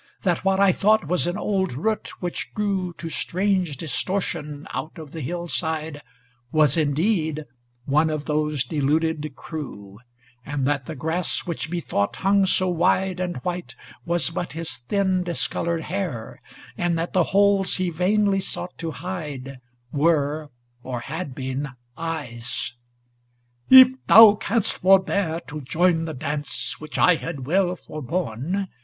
That what I thought was an old root which grew To strange distortion out of the hillside Was indeed one of those deluded crew; And that the grass, which raethought hung so wide And white, was but his thin discolored hair ; And that the holes he vainly sought to hide Were or had been eyes : ŌĆö 'If thou canst, forbear To join the dance, which I had well for borne